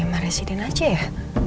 sama residen aceh ya